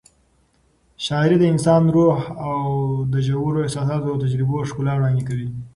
شاعري د انساني روح د ژورو احساساتو او تجربو ښکلا وړاندې کوي.